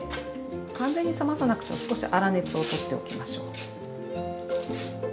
完全に冷まさなくても少し粗熱を取っておきましょう。